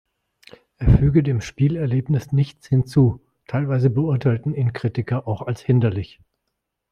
Er füge dem Spielerlebnis nichts hinzu, teilweise beurteilten ihn Kritiker auch als hinderlich.